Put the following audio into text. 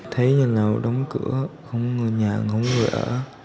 thấy nhà lầu đóng cửa không ngồi nhà không ngồi ở